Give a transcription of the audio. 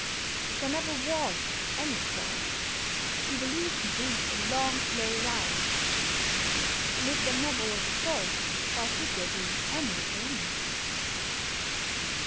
There never was any "Fall." Evolution proves a long slow rise. And if there never was a Fall, why should there be any Atonement?